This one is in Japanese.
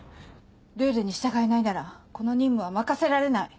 ルールに従えないならこの任務は任せられない。